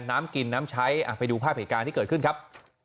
น้ำกินน้ำใช้ไปดูภาพเหตุการณ์ที่เกิดขึ้นครับ